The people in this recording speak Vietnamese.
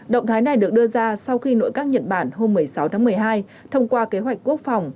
động thái này được đưa ra sau khi nội các nhật bản hôm một mươi sáu tháng một mươi hai thông qua kế hoạch quốc phòng